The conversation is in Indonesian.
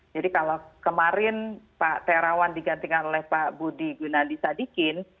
jadi kalau kemarin pak terawan digantikan oleh pak budi gunandi sadikin